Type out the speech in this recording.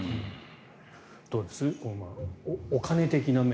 どうです、お金的な面